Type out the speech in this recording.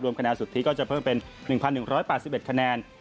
คะแนนสุทธิก็จะเพิ่มเป็น๑๑๘๑คะแนน